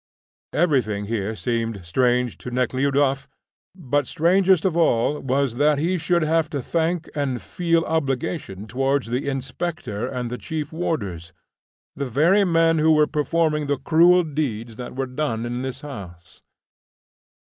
Everything here seemed strange to Nekhludoff; but strangest of all was that he should have to thank and feel obligation towards the inspector and the chief warders, the very men who were performing the cruel deeds that were done in this house.